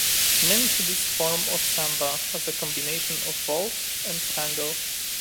Many see this form of Samba as a combination of Waltz and Tango.